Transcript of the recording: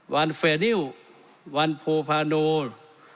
วันเฟนิลวันโพฟาโนล